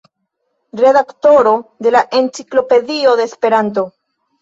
Redaktoro de la Enciklopedio de Esperanto.